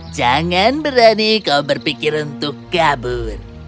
jangan berani kau berpikir untuk kabur